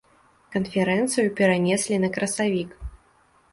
Канферэнцыю перанеслі на красавік.